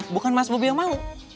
bukan mas bobi yang mau